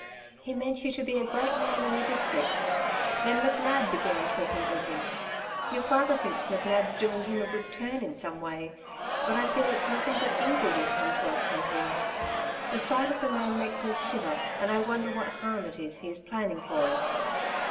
He meant you to be a great man in the district. Then McNab began talking to him. Your father thinks McNab's doing him a good turn in some way, but I feel it's nothing but evil will come to us from him. The sight of the man makes me shiver and I wonder what harm it is he is planning for us."